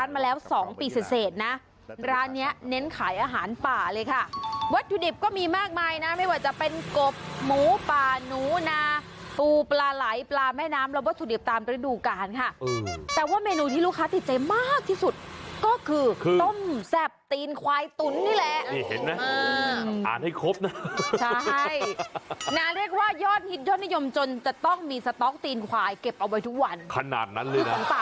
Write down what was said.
มาแล้วสองปีเศษนะร้านเนี้ยเน้นขายอาหารป่าเลยค่ะวัตถุดิบก็มีมากมายนะไม่ว่าจะเป็นกบหมูป่าหนูนาปูปลาไหลปลาแม่น้ำเราไม่ว่าสุดยอดตามต้องได้ดูการค่ะอืมแต่ว่าเมนูที่ลูกค้าติดใจมากที่สุดก็คือต้มแซ่บตีนควายตุ๋นนี่แหละนี่เห็นไหมอ่าอ่านให้คร